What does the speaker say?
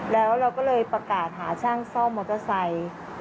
แล้วเราก็เลยประกาศหาช่างซ่อมมอเตอร์ไซค์